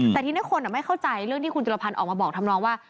แต่ทีนี้คนไม่เข้าใจเรื่องที่คุณจุลพันธ์ออกมาบอกทำนองว่า